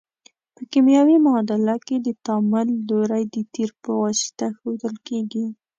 په کیمیاوي معادله کې د تعامل لوری د تیر په واسطه ښودل کیږي.